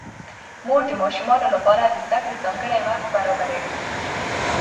مور د ماشومانو لپاره د زده کړې ځانګړی وخت برابروي